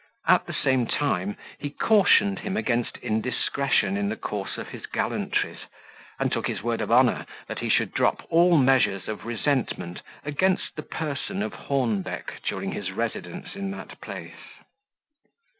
At the same time, he cautioned him against indiscretion in the course of his gallantries; and took his word of honour, that he should drop all measures of resentment against the person of Hornbeck during his residence in that place.